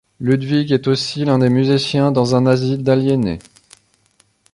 Ludwig est aussi l'un des musiciens dans un asile d'aliénés.